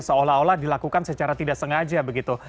seolah olah dilakukan secara tidak sengaja begitu